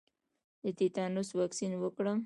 د تیتانوس واکسین وکړم؟